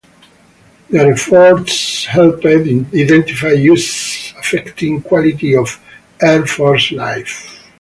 Their efforts helped identify issues affecting quality of Air Force life.